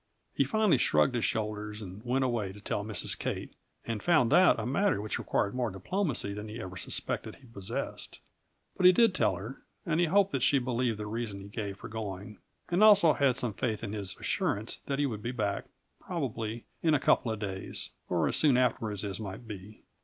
He finally shrugged his shoulders and went away to tell Mrs. Kate, and found that a matter which required more diplomacy than he ever suspected he possessed. But he did tell her, and he hoped that she believed the reason he gave for going, and also had some faith in his assurance that he would be back, probably, in a couple of days or as soon afterwards as might be.